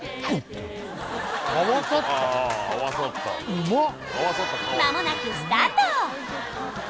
うまっ！